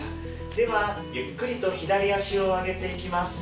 ではゆっくりと左足を上げていきます。